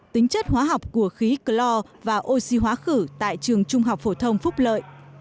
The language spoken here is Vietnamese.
tính chất hóa học của khí clor và oxy hóa khử tại trường trung học phổ thông phúc lợi